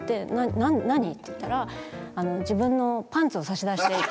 「何？」って言ったら自分のパンツを差し出していて。